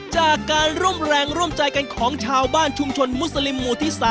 จากการร่วมแรงร่วมใจกันของชาวบ้านชุมชนมุสลิมหมู่ที่๓